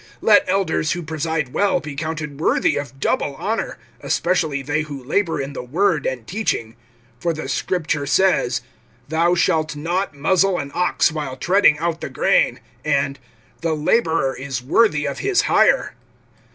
(17)Let elders who preside well be counted worthy of double honor, especially they who labor in the word and teaching. (18)For the Scripture says: Thou shalt not muzzle an ox while treading out the grain; and, The laborer is worthy of his hire.